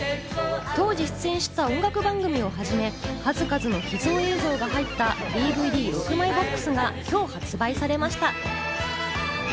当時出演した音楽番組をはじめ、数々の秘蔵映像が入ったＤＶＤ６枚組ボックスが今日発売されました。